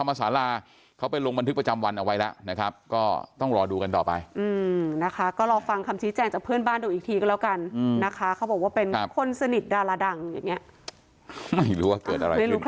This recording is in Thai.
ไม่รู้ว่าเกิดอะไรขึ้น